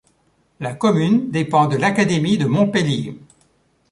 La commune dépend de l'Académie de Montpellier.